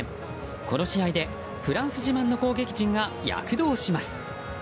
この試合でフランス自慢の攻撃陣が躍動します。